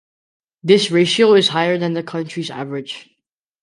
This ratio is higher than the country average.